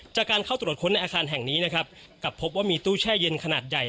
จากการเข้าตรวจค้นในอาคารแห่งนี้นะครับกลับพบว่ามีตู้แช่เย็นขนาดใหญ่